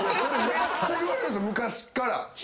めっちゃ言われるんすよ昔から。